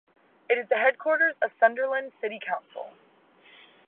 It is the headquarters of Sunderland City Council.